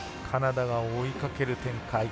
カナダが追いかける展開。